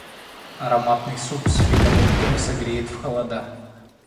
Ароматный суп с фрикадельками согреет в холода.